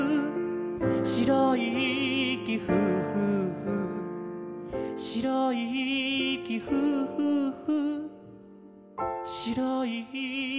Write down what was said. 「しろいいきふふふしろいいきふふふ」